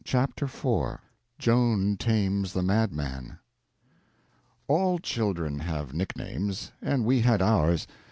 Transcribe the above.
Chapter 4 Joan Tames the Mad Man ALL CHILDREN have nicknames, and we had ours.